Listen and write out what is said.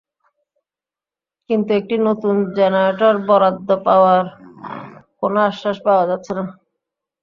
কিন্তু একটি নতুন জেনারেটর বরাদ্দ পাওয়ার কোনো আশ্বাস পাওয়া যাচ্ছে না।